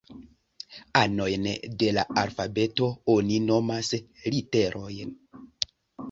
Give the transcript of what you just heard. Anojn de la alfabeto oni nomas literoj.